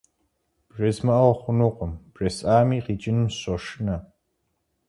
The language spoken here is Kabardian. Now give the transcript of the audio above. БжезмыӀэу хъунукъым, бжесӀэми къикӀынум сыщошынэ.